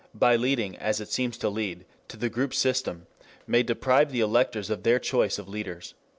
by leading, as it seems to lead, to the group system... may deprive the electors of their choice of leaders."